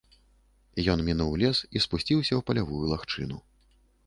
Ён мінуў лес і спусціўся ў палявую лагчыну.